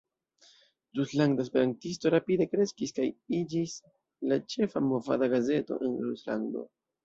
Ruslanda Esperantisto rapide kreskis kaj iĝis la ĉefa movada gazeto en Ruslando.